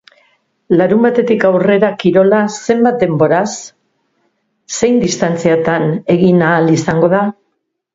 Larunbatetik aurrera kirola zenbat denboraz, zein distantziatan egin ahal izango da?